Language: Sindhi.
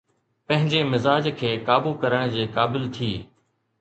پنهنجي مزاج کي قابو ڪرڻ جي قابل ٿي.